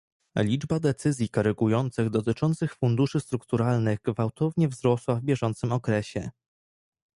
Liczba decyzji korygujących dotyczących funduszy strukturalnych gwałtownie wzrosła w bieżącym okresie